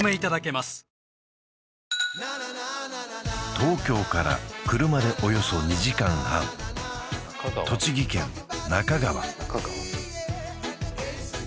東京から車でおよそ２時間半栃木県那珂川